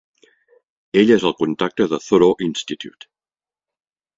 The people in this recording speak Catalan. Ell és el contacte de Thoreau Institute.